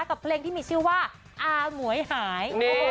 กับเพลงที่มีชื่อว่าอาหมวยหาย